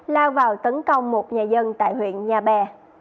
lao vào tấn công một nhà dân tại huyện nhà bè